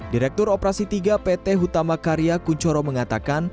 direktur operasi tiga pt hutama karya kunchoro mengatakan